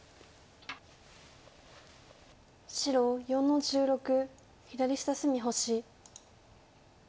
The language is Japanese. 白４の十六左下隅星。